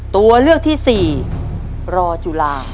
ตัวเลือกที่๔รอจุฬา